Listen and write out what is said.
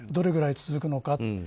どれぐらい続くのか。